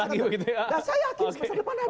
saya yakin semester depannya ada